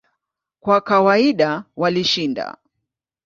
Kwa kawaida walishinda.